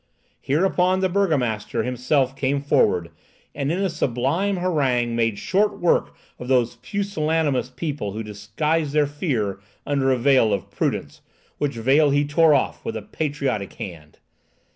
Hereupon the burgomaster himself came forward, and in a sublime harangue made short work of those pusillanimous people who disguise their fear under a veil of prudence, which veil he tore off with a patriotic hand.